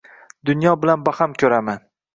Dunyo bilan baham ko’raman